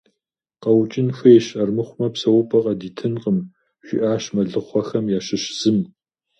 КъэукӀын хуейщ, армыхъумэ псэупӀэ къыдатынкъым, - жиӀащ мэлыхъуэхэм ящыщ зым.